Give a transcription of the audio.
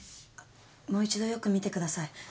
もう一度よく見てください。